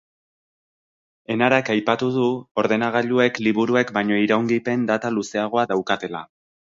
Enarak aipatu du ordenagailuek liburuek baino iraungipen data luzeagoa daukatela.